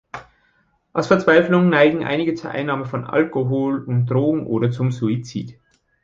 Aus Verzweiflung neigen einige zur Einnahme von Alkohol und Drogen oder zum Suizid.